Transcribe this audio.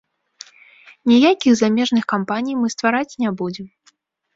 Ніякіх замежных кампаній мы ствараць не будзем.